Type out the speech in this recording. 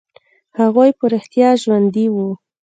هغوى په رښتيا ژوندي وو.